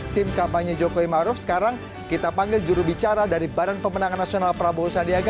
tim kampanye jokowi maruf sekarang kita panggil jurubicara dari badan pemenangan nasional prabowo sandiaga